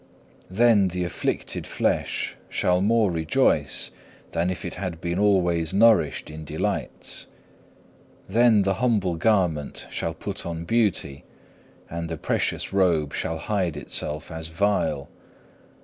Then the afflicted flesh shall more rejoice than if it had been alway nourished in delights. Then the humble garment shall put on beauty, and the precious robe shall hide itself as vile.